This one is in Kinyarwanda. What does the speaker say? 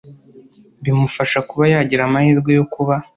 bimufasha kuba yagira amahirwe yo kuba